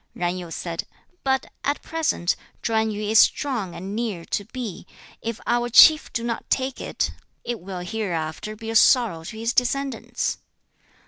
Zan Yu said, 'But at present, Chwan yu is strong and near to Pi; if our chief do not now take it, it will hereafter be a sorrow to his descendants.'